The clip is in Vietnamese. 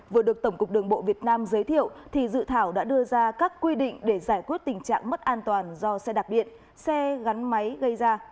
vừa được tổng cục đường bộ việt nam giới thiệu thì dự thảo đã đưa ra các quy định để giải quyết tình trạng mất an toàn do xe đạp điện xe gắn máy gây ra